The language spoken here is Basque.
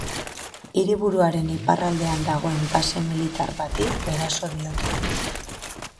Hiriburuaren iparraldean dagoen base militar bati ere eraso diote.